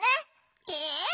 え？